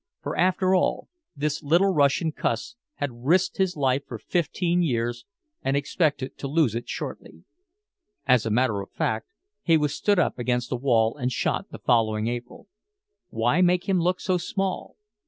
For, after all, this little Russian cuss had risked his life for fifteen years and expected to lose it shortly. (As a matter of fact, he was stood up against a wall and shot the following April.) Why make him look so small?